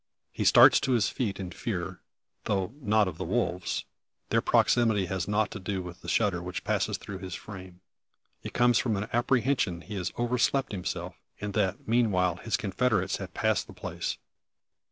He starts to his feet in fear, though not of the wolves. Their proximity has nought to do with the shudder which passes through his frame. It comes from an apprehension he has overslept himself, and that, meanwhile, his confederates have passed the place.